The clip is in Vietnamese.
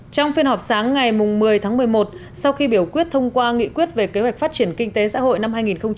trong phiên họp sáng ngày một mươi tháng một mươi một sau khi biểu quyết thông qua nghị quyết về kế hoạch phát triển kinh tế xã hội năm hai nghìn hai mươi